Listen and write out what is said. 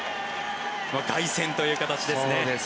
凱旋という形ですね。